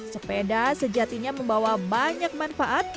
sepeda sejatinya membawa banyak manfaat